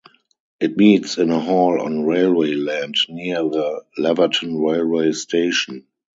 It meets in a hall on railway land near the Laverton Railway Station.